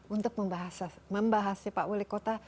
untuk membahasnya pak wali kota